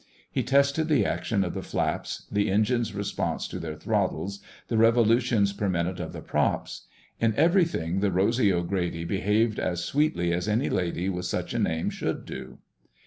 He tested the action of the flaps, the engines' response to their throttles, the revolutions per minute of the props. In everything the Rosy O'Grady behaved as sweetly as any lady with such a name should do.